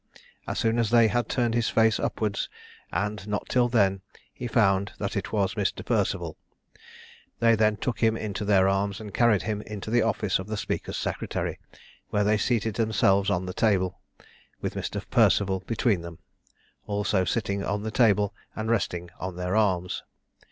As soon as they had turned his face upwards, and not till then, he found that it was Mr. Perceval. They then took him into their arms, and carried him into the office of the speaker's secretary, where they seated themselves on the table, with Mr. Perceval between them, also sitting on the table, and resting on their arms.